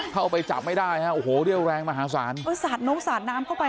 เข้าไปจับไม่ได้ฮะโอ้โหเรี่ยวแรงมหาศาลเออสาดน้องสาดน้ำเข้าไป